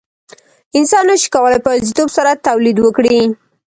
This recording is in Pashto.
انسان نشي کولای په یوازیتوب سره تولید وکړي.